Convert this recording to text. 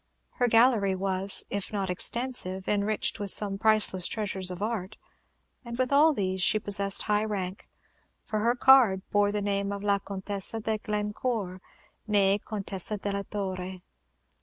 Her gallery was, if not extensive, enriched with some priceless treasures of art; and with all these she possessed high rank, for her card bore the name of La Comtesse de Glencore, née Comtesse della Torre.